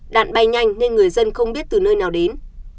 đạn bay nhanh nên người dân không biết từ nơi nào đến